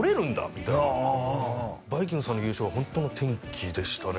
みたいなバイきんぐさんの優勝はホントもう転機でしたね